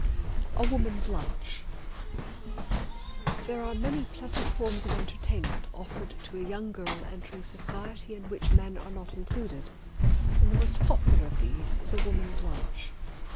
A Woman's Lunch. There are many pleasant forms of entertainment offered to a young girl entering society in which men are not included, and the most popular of these is a woman's lunch.